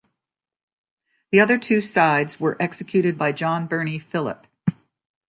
The other two sides were executed by John Birnie Philip.